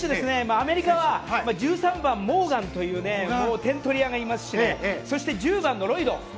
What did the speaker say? アメリカは１３番モーガンという点取り屋がいますしそして１０番のロイド。